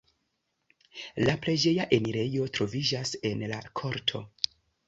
La preĝeja enirejo troviĝas en la korto.